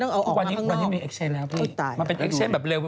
แล้วก็เอาตีกับปั๊กปั๊กปั๊ก